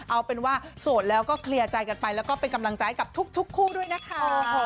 เอาเป็นว่าโสดแล้วก็เคลียร์ใจกันไปแล้วก็เป็นกำลังใจกับทุกคู่ด้วยนะคะ